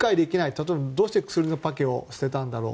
例えばどうして薬のパケを捨てたんだろう